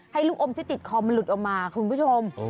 ให้ลูกอมที่ติดคอมันหลุดออกมาคุณผู้ชม